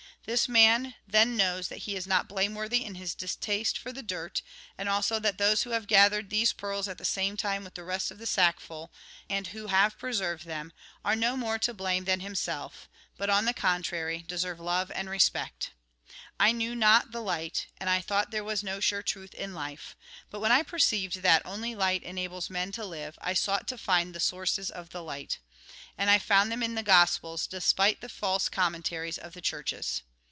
This man then knows tluit he is not blameworthy in his distaste for the dirt, and also that those who have gathered these pearls at the same time with the rest of the sackful, and who have preserved them, are no more to blame than himself, but, on the contrary, deserve love and respect. I knew not the light, and I thought there was no sure truth in life ; but when I perceived that only light enables men to live, I sought to find the sources of the light. And I found them in the Gospels, despite the false commentaries of the Churches.